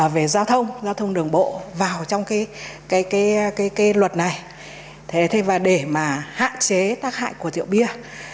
về giao thông giao thông đường bộ vào trong cái luật này và để mà hạn chế tác hại của rượu bia